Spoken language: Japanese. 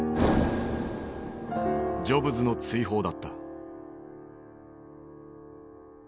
ジョブズの追放だった。